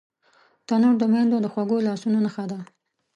تنور د میندو د خوږو لاسونو نښه ده